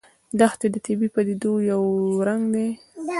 دښتې د طبیعي پدیدو یو رنګ دی.